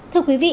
thưa quý vị